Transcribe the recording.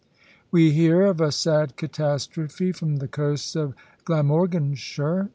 We hear of a sad catastrophe from the coast of Glamorganshire.